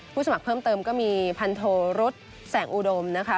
สมัครเพิ่มเติมก็มีพันโทรุษแสงอุดมนะคะ